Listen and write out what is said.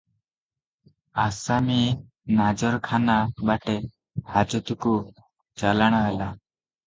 ଆସାମୀ ନାଜରଖାନା ବାଟେ ହାଜତକୁ ଚାଲାଣ ହେଲା ।